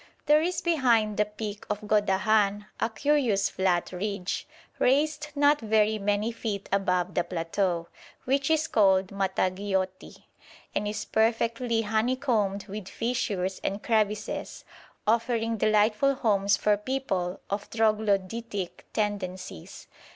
There is behind the peak of Gòdahan a curious flat ridge, raised not very many feet above the plateau, which is called Matagioti, and is perfectly honeycombed with fissures and crevices, offering delightful homes for people of troglodytic tendencies.